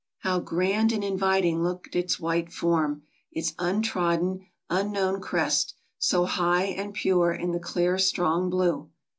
How grand and inviting looked its white form, its untrodden, unknown crest, so high and pure in the clear strong blue!